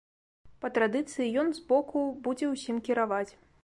Па традыцыі ён з боку будзе ўсім кіраваць.